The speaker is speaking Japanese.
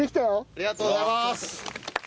ありがとうございます！